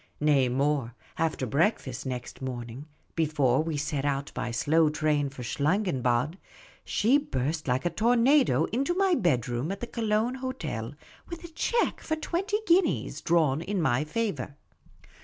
Nay, more ; after breakfast next morning, before we set out by slow train for Schlangenbad, she burst like a tornado into my bedroom at the Cologne hotel with a cheque for twenty guineas, drawn in my favour.